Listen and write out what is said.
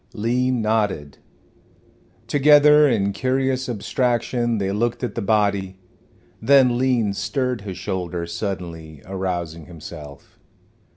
Lean nodded. Together in curious abstraction they looked at the body. Then Lean stirred his shoulders suddenly, arousing himself.